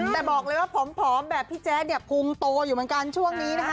แต่บอกเลยว่าผอมแบบพี่แจ๊ดเนี่ยพุงโตอยู่เหมือนกันช่วงนี้นะคะ